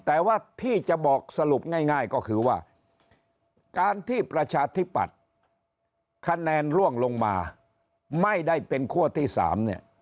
แต่ว่าที่จะบอกสรุปง่ายก็คือว่าการที่ประชาธิปัตย์คะแนนร่วงลงมาไม่ได้เป็นขั้วที่๓เนี่ย